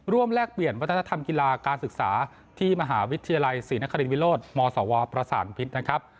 แลกเปลี่ยนวัฒนธรรมกีฬาการศึกษาที่มหาวิทยาลัยศรีนครินวิโรธมศวประสานพิษนะครับ